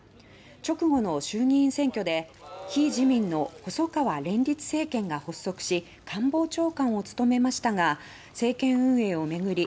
直後の衆議院選挙で非自民の細川連立政権が発足し官房長官を務めましたが政権運営を巡り